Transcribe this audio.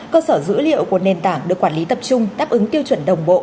cơ sở dữ liệu của nền tảng được quản lý tập trung đáp ứng tiêu chuẩn đồng bộ